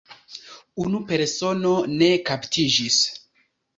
Unu persono ne kaptiĝis.